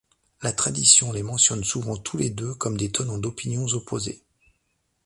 La tradition les mentionne souvent tous les deux comme des tenants d'opinions opposées.